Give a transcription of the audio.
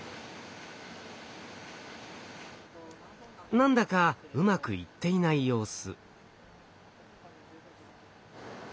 何だかうまくいっていない様子。